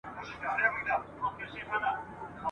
ویرجینیا که په پسرلي کي ..